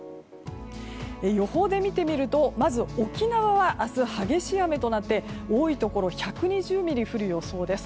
予報で見てみると沖縄は明日、激しい雨となって多いところ１２０ミリ降る予想です。